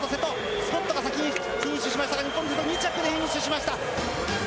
スコットが先にフィニッシュしましたが２着でフィニッシュしました。